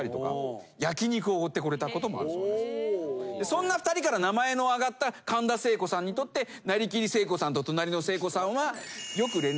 そんな２人から名前の挙がった神田聖子さんにとってなりきり聖子さんととなりの聖子さんは。